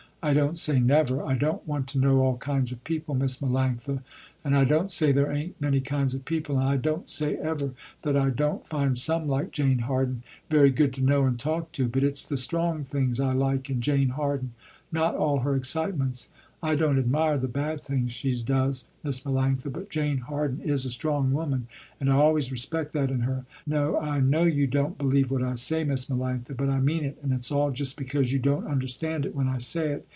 I don't say, never, I don't want to know all kinds of people, Miss Melanctha, and I don't say there ain't many kinds of people, and I don't say ever, that I don't find some like Jane Harden very good to know and talk to, but it's the strong things I like in Jane Harden, not all her excitements. I don't admire the bad things she does, Miss Melanctha, but Jane Harden is a strong woman and I always respect that in her. No I know you don't believe what I say, Miss Melanctha, but I mean it, and it's all just because you don't understand it when I say it.